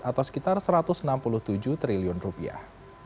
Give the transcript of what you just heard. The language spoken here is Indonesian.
atau sekitar satu ratus enam puluh tujuh triliun rupiah